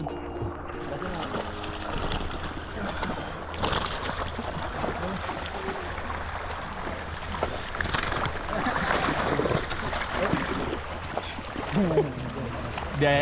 taduk taduk taduk